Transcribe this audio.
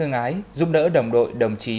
giúp đỡ đồng đội đồng chí